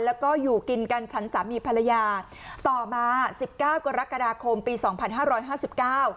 แล้วก็อยู่กินกันฉันสามีภรรยาต่อมาสิบเก้ากรกฎาคมปีสองพันห้าร้อยห้าสิบเก้า